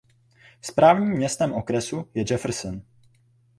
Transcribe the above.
Správním městem okresu je Jefferson.